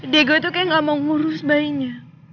diego itu kayak gak mau ngurus bayinya